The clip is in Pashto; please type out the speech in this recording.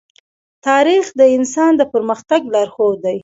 تاریخ د انسان د پرمختګ لارښود دی.